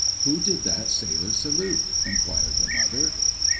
"Who did that sailor salute?" inquired the Mother.